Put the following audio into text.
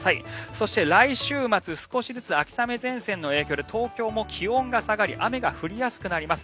そして、来週末少しずつ秋雨前線の影響で東京も気温が下がり雨が降りやすくなります。